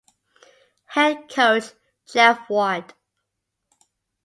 Head coach Jeff Ward.